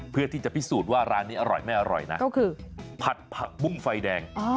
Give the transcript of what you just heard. เพื่อที่จะพิสูจน์ว่าร้านนี้อร่อยไม่อร่อยนะก็คือผัดผักบุ้งไฟแดง